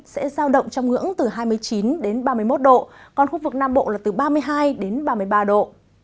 sẽ giao động trong ngưỡng từ hai mươi chín đến ba mươi một độ còn khu vực nam bộ là từ ba mươi hai đến ba mươi ba độ